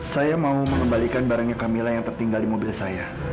saya mau mengembalikan barangnya camilla yang tertinggal di mobil saya